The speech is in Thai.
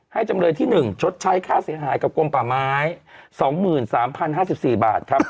จำเลยที่๑ชดใช้ค่าเสียหายกับกลมป่าไม้๒๓๐๕๔บาทครับ